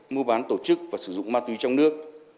mua bán tổ chức và sử dụng ma túy trong nước